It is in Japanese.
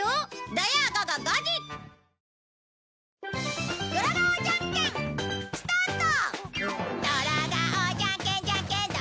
土曜午後５時スタート！